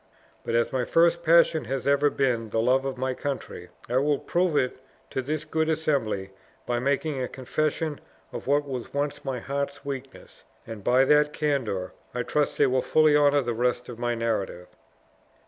But as my first passion has ever been the love of my country, I will prove it to this good assembly by making a confession of what was once my heart's weakness; and by that candor, I trust they will fully honor the rest of my narrative."